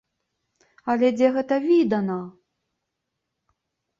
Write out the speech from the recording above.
Але дзе гэта відана!